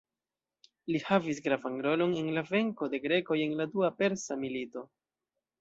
Li havis gravan rolon en la venko de grekoj en la dua persa milito.